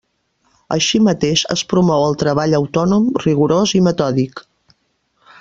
Així mateix, es promou el treball autònom, rigorós i metòdic.